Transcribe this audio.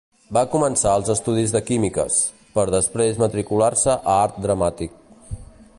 Va començar als estudis de Químiques, per després matricular-se a Art Dramàtic.